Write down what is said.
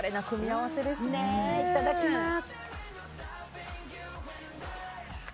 いただきます。